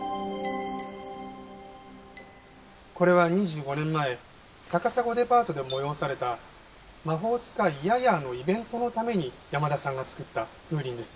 これは２５年前高砂デパートで催された『魔法使いヤヤー』のイベントのために山田さんが作った風鈴です。